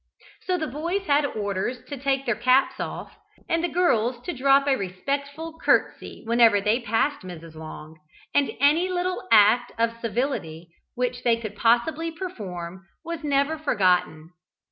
So the boys had orders to take their caps off and the girls to drop a respectful curtsey whenever they passed Mrs. Long, and any little act of civility which they could possibly perform was never forgotten.